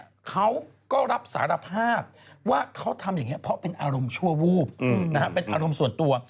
เขาก็รับสารภาพว่าเขาทำอย่างนี้เพราะเป็นอารมณ์ชั่ววูบเป็นอารมณ์ส่วนตัว